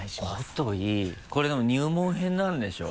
これでも入門編なんでしょう？